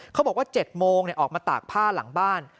เขาบอกว่า๗โมงออกมาตากผ้าหลังบ้าน